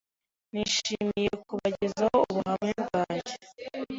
nishimiye kubagezaho ubuhamya bwanjye